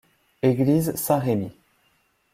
Église Saint-Rémi.